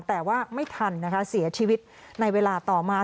แต่ว่าไม่ทันนะคะเสียชีวิตในเวลาต่อมา